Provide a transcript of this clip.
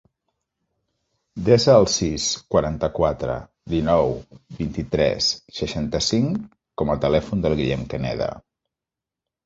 Desa el sis, quaranta-quatre, dinou, vint-i-tres, seixanta-cinc com a telèfon del Guillem Caneda.